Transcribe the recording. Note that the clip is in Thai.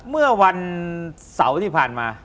เมื่อวันเสาร์ที่ผ่านมา